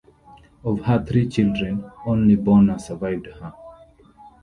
Of her three children, only Bona survived her.